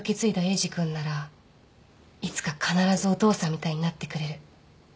エイジ君ならいつか必ずお父さんみたいになってくれる。